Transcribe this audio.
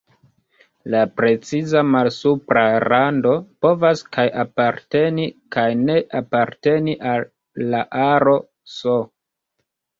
La preciza malsupra rando povas kaj aparteni kaj ne aparteni al la aro "S".